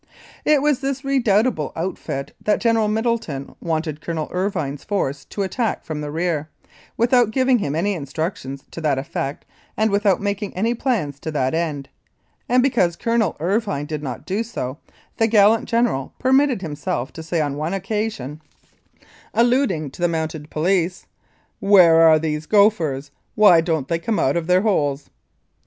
It was this redoubtable outfit that General Middleton wanted Colonel Irvine's force to attack from the rear, without giving him any instructions to that effect and without making any plans to that end, and because Colonel Irvine did not do so, the gallant General per mitted himself to say on one occasion, alluding to the 23 Mounted Police Life in Canada Mounted Police, "Where are these gophers? Why don't they come out of their holes?"